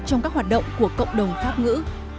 trong các hoạt động của cộng đồng pháp ngữ